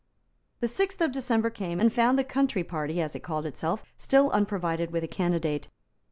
The sixth of December came, and found the Country party, as it called itself, still unprovided with a candidate.